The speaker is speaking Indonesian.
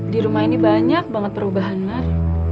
di rumah ini banyak banget perubahan mas